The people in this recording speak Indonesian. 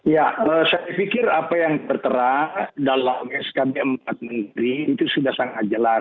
ya saya pikir apa yang tertera dalam skb empat menteri itu sudah sangat jelas